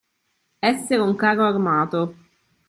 Essere un carro armato.